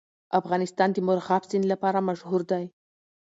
افغانستان د مورغاب سیند لپاره مشهور دی.